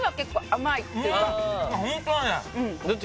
うんホントだね！